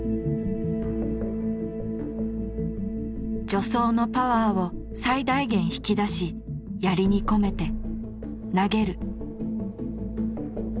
助走のパワーを最大限引き出しやりに込めて投げる。